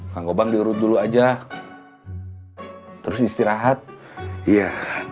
kang gobang dirut dulu aja terus istirahat ya